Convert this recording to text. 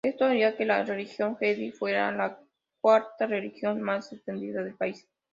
Esto haría que la religión Jedi fuese la cuarta religión más extendida del país.